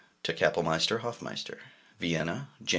TO KAPELLMEISTER HOFMEISTER. Vienna, Jan.